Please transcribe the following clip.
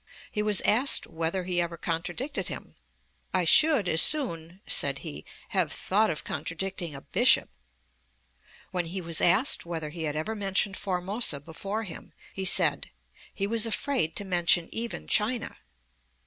He was asked whether he ever contradicted him. "I should as soon," said he, "have thought of contradicting a bishop." When he was asked whether he had ever mentioned Formosa before him, he said, "he was afraid to mention even China."'